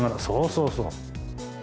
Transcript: そうそうそう。